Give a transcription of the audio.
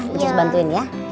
sini ya jus bantuin ya